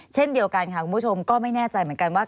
เช่นเดียวกันค่ะคุณผู้ชมก็ไม่แน่ใจเหมือนกันว่า